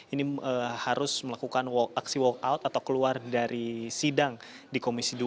ini harus melakukan aksi walkout atau keluar dari sidang di komisi dua